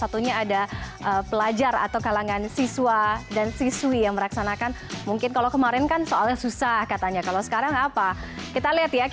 terima kasih mbak